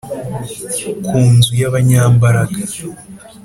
ku Nzu y Abanyambaraga